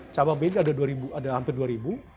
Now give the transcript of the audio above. cabang b ini ada hampir dua